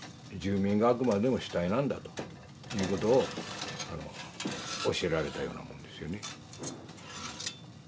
住民があくまでも主体なんだということを教えられたようなもんですよね。